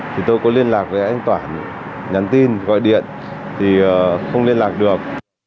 thì tôi có liên lạc với anh toản nhắn tin gọi điện thì không liên lạc được